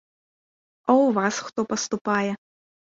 А ў вас хто паступае?